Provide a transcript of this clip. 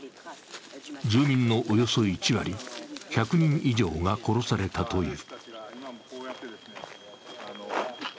住民のおよそ１割、１００人以上が殺されたという。